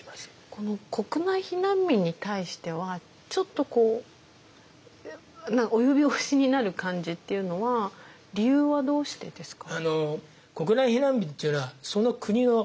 この国内避難民に対してはちょっとこう及び腰になる感じっていうのは理由はどうしてですか？